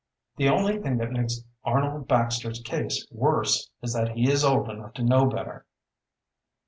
The only thing that makes Arnold Baxter's case worse is that he is old enough to know better."